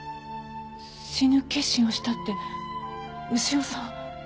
死ぬ決心をしたって牛尾さん。